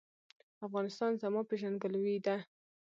افغانستان زما پیژندګلوي ده